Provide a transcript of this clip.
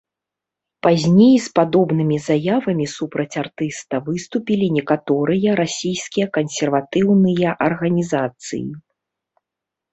Пазней з падобнымі заявамі супраць артыста выступілі некаторыя расійскія кансерватыўныя арганізацыі.